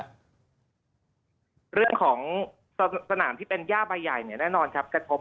เองโว่นครับเรื่องของสนามที่เป็นย่าใบใหญ่เนี่ยแน่นอนครับจะทบ